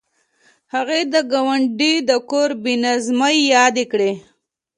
هغې د ګاونډي د کور بې نظمۍ یادې کړې